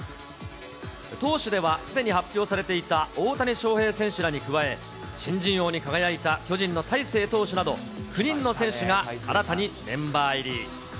投手ではすでに発表されていた大谷翔平選手らに加え、新人王に輝いた巨人の大勢投手など、９人の選手が新たにメンバー入り。